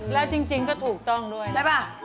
แล้วจริงก็ถูกต้องด้วยใช่ป่ะ